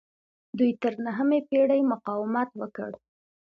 دوی تر نهمې پیړۍ مقاومت وکړ